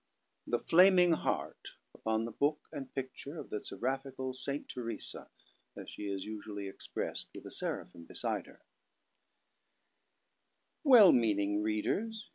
The Flaming Heart Vpon the book and Picture of the seraphicall saint Teresa, (as she is vsvally expressed with a Seraphim biside her)WELL meaning readers!